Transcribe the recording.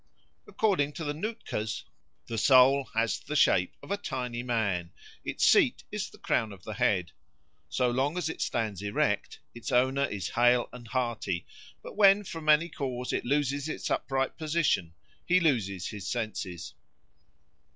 According to the Nootkas the soul has the shape of a tiny man; its seat is the crown of the head. So long as it stands erect, its owner is hale and hearty; but when from any cause it loses its upright position, he loses his senses.